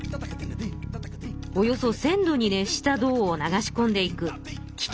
およそ１，０００度に熱した銅を流し込んでいくき